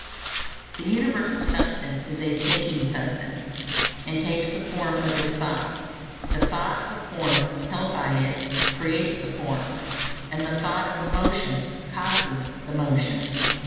This Universal Substance is a thinking substance, and takes the form of its thought. The thought of a form, held by it, creates the form; and the thought of a motion causes the motion.